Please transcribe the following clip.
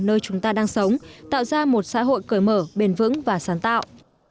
nơi chúng ta đang sống tạo ra một xã hội cởi mở bền vững và sáng tạo